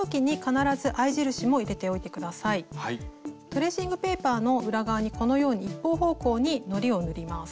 トレーシングペーパーの裏側にこのように一方方向にのりを塗ります。